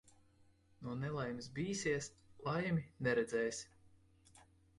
No nelaimes bīsies, laimi neredzēsi.